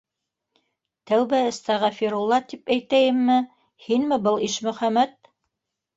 - Тәүбә-әстәғәфирулла тип әйтәйемме... һинме был, Ишмөхәмәт?